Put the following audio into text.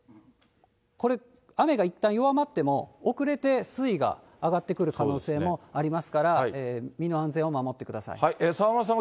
雨がいったん弱まっても、遅れて水位が上がってくる可能性もありますから、身の安全を守ってください。